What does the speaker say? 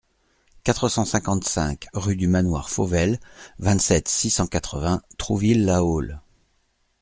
quatre cent cinquante-cinq rue du Manoir Fauvel, vingt-sept, six cent quatre-vingts, Trouville-la-Haule